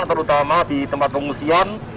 terutama di tempat pelungsian